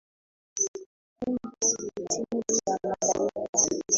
Mrembo mithili ya malaika.